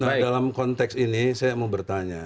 nah dalam konteks ini saya mau bertanya